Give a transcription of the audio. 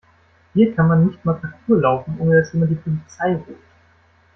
Hier kann man nicht mal Parkour laufen, ohne dass jemand die Polizei ruft.